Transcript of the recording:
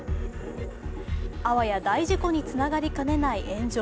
あわや大事故につながりかねない炎上。